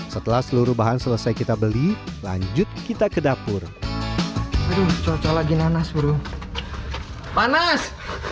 setelah seluruh bahan selesai kita beli lanjut kita ke dapur aduh cocok aja nanas burung panas